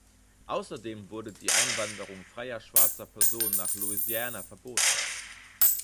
Außerdem wurde die Einwanderung freier schwarzer Personen nach Louisiana verboten.